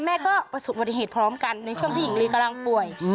แม่ก็ประสบบัติเหตุพร้อมกันในช่วงที่หญิงลีกำลังป่วย